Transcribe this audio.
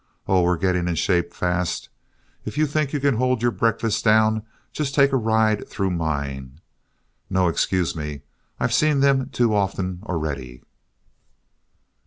Oh, we're getting in shape fast. If you think you can hold your breakfast down, just take a ride through mine. No, excuse me I've seen them too often already."